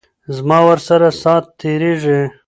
زما ورسره ساعت تیریږي.